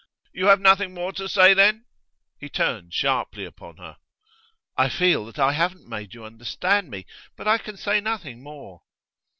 'You have nothing more to say, then?' He turned sharply upon her. 'I feel that I haven't made you understand me, but I can say nothing more.